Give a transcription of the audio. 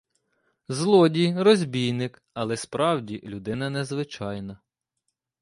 Злодій, розбійник, але справді людина не звичайна.